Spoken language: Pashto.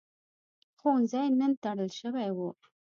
ښوونځی نن تړل شوی و.